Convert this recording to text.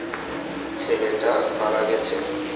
ছেলেটা মারা গেছে।